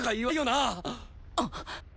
あっ。